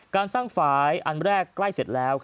การสร้างฝ่ายอันแรกใกล้เสร็จแล้ว